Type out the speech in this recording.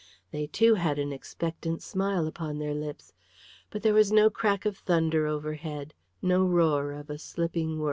They, too, had an expectant smile upon their lips. But there was no crack of thunder overhead, no roar of a slipping world.